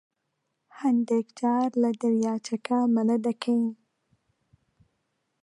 هەندێک جار لە دەریاچەکە مەلە دەکەین.